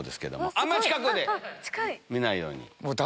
あんま近くで見ないように。